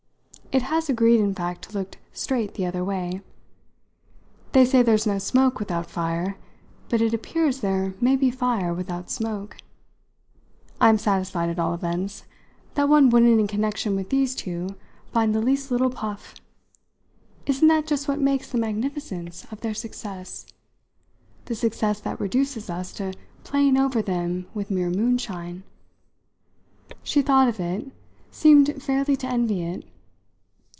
It has agreed in fact to look straight the other way. They say there's no smoke without fire, but it appears there may be fire without smoke. I'm satisfied, at all events, that one wouldn't in connection with these two find the least little puff. Isn't that just what makes the magnificence of their success the success that reduces us to playing over them with mere moonshine?" She thought of it; seemed fairly to envy it.